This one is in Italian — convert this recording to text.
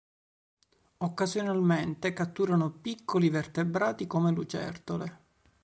Occasionalmente catturano piccoli vertebrati come lucertole.